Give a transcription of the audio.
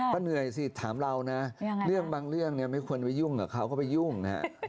ก็เหนื่อยสิถามเรานะเรื่องบางเรื่องเนี่ยไม่ควรไปยุ่งกับเขาก็ไปยุ่งนะฮะ